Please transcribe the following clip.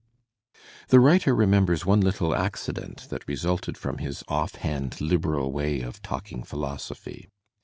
The writer remembers one little accident that resulted p from his j)ff hand KbCTalway of talking philosophy.